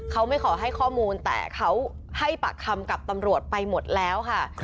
เขาไม่ขอให้ข้อมูลแต่เขาให้ปากคำกับตำรวจไปหมดแล้วค่ะ